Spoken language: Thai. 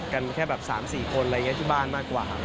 กันแค่แบบ๓๔คนอะไรอย่างนี้ที่บ้านมากกว่า